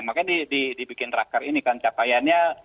makanya dibikin raker ini kan capaiannya